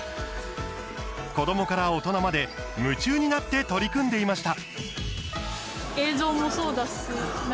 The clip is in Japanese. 子どもから大人まで夢中になって取り組んでいました。